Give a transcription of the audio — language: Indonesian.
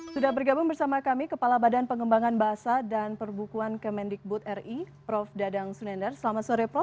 sudah bergabung bersama kami kepala badan pengembangan bahasa dan perbukuan kemendikbud ri prof dadang sunendar selamat sore prof